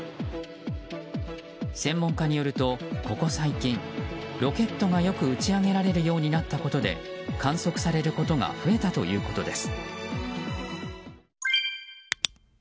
専門家によるとここ最近、ロケットがよく打ち上げられるようになったことで観測されることが増えたということです。